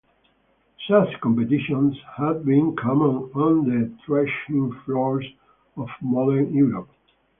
Such competitions have been common on the threshing-floors of modern Europe.